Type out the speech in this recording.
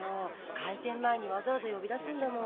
開店前にわざわざ呼び出すんだもん。